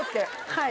はい。